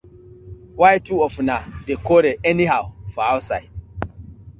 Why two of una dey quarel anyhow for ouside.